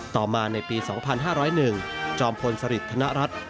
ต่อมาในปี๒๕๐๑จอมพลสริทธนรัฐ